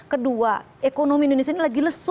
kedua ekonomi indonesia ini lagi lesu